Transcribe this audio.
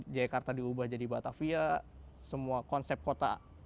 jakarta diubah jadi batavia semua konsep kota